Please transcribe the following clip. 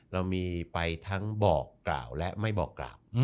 เรามีไปทั้งบอกกล่าวและไม่บอกกล่าว